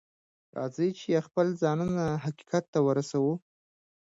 راځئ چې پخپله ځانونه حقيقت ته ورسوو.